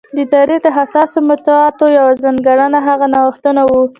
د تاریخ د حساسو مقطعو یوه ځانګړنه هغه نوښتونه وو